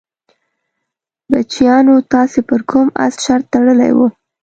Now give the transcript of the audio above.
بچیانو تاسې پر کوم اس شرط تړلی وو؟